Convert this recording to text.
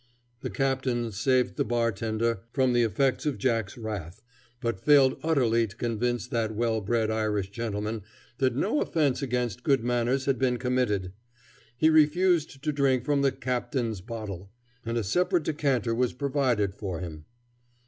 The captain saved the bar tender from the effects of Jack's wrath, but failed utterly to convince that well bred Irish gentleman that no offense against good manners had been committed. He refused to drink from the "captain's bottle," and a separate decanter was provided for him.